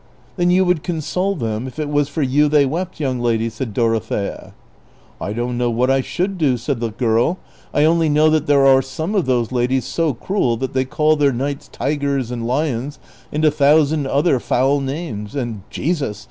'' Then you would console them if it was for you they wept, young lady ?" said Dorothea. " I don't know what I should do," said the girl ;'<■ I only knoAV that there are some of those ladies so cruel that they call their knights tigers and lions and a thousand other foul names : and, Jesus